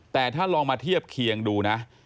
แต่ถ้าลองมาเทียบเคียงดูนะ